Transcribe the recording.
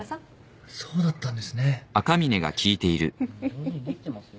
上手にできてますよ。